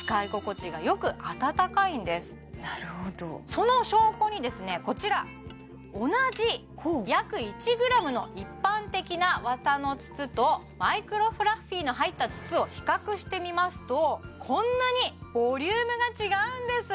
その証拠にこちら同じ約１ｇの一般的な綿の筒とマイクロフラッフィーの入った筒を比較してみますとこんなにボリュームが違うんです